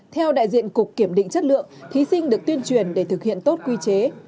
theo đại diện cục kiểm định chất lượng thí sinh được tuyên truyền để thực hiện tốt quy chế